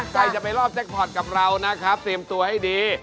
ใครจะไปรอบแจ็คพอร์ตกับเรานะครับเตรียมตัวให้ดี